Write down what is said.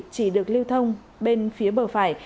chỉ được lưu thông bên phía bờ phải